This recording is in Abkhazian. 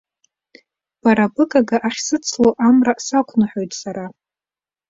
Бара быгага ахьсыцло, амра сақәныҳәоит сара.